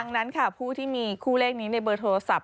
ดังนั้นค่ะผู้ที่มีคู่เลขนี้ในเบอร์โทรศัพท์